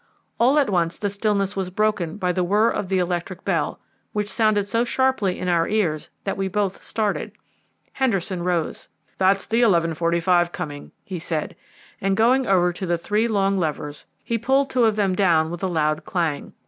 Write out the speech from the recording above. All at once the stillness was broken by the whirr of the electric bell, which sounded so sharply in our ears that we both started. Henderson rose. "That's the 11.45 coming," he said, and, going over to the three long levers, he pulled two of them down with a loud clang.